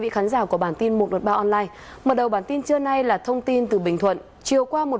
quý vị khán giả của bản tin một trăm một mươi ba online mở đầu bản tin trưa nay là thông tin từ bình thuận chiều qua một